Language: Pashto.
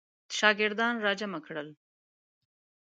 شاګردان را جمع کړل.